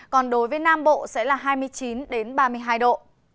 còn đối với nam bộ sẽ là hai mươi chín ba mươi hai độ